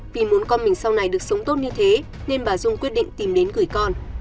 vì muốn con mình sau này được sống tốt như thế nên bà dung quyết định tìm đến gửi con